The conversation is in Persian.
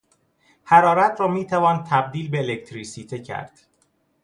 حرارت را میتوان تبدیل به الکتریسته کرد.